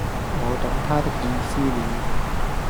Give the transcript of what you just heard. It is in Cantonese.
我懂得他的意思了，